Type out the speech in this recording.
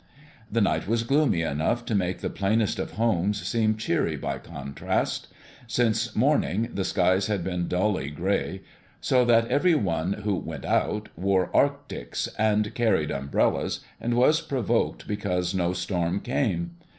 The night was gloomy enough to make the plainest of homes seem cheery by contrast. Since morning the skies had been dully gray, so that every one who went out wore arctics and carried umbrellas, and was provoked because no storm came.